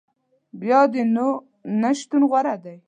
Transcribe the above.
بیا دي نو نه شتون غوره دی